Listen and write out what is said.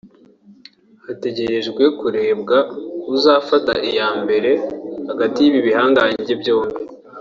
hategerejwe kkurebwa uzafata iya mbere hagati y’ibi bihangange byombi